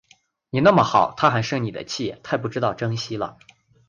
你那么好，她还生你的气，太不知道珍惜了